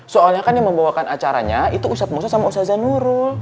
soalnya kan yang membawakan acaranya itu ustadz musa sama ustadz janurul